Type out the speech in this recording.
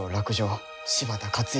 柴田勝家